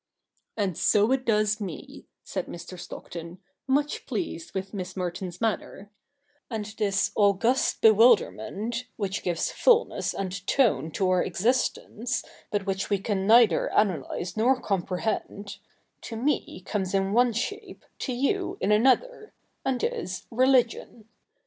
' And so it does me,' said Mr. Stockton, much pleased with Miss Merton's manner ;' and this august bewilder ment, which gives fulness and tone to our existence, but which we can neither analyse nor comprehend — to me comes in one shape, to you in another, and is — religion.